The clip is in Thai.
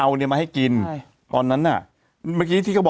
กว่าที่เรากินซุปตากันใส่กี่เม็ดนะ๑๕๐๐บาท